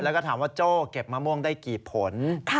แล้วก็ถามว่าโจ้เก็บมะม่วงได้กี่ผล